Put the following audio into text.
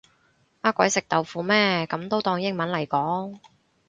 呃鬼食豆腐咩噉都當英文嚟講